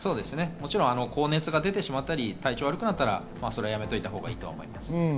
もちろん高熱が出たり体調が悪くなったらやめておいたほうがいいと思います。